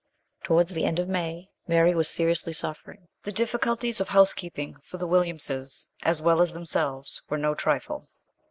Towards the end of May, Mary was seriously suffering ; the difficulties of housekeeping for the Williamses as well as themselves were no trifle.